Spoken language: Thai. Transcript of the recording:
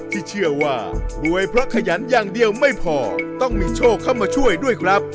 ที่เชื่อว่ารวยเพราะขยันอย่างเดียวไม่พอต้องมีโชคเข้ามาช่วยด้วยครับ